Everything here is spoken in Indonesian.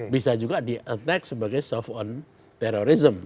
bisa juga di attack sebagai soft on terorisme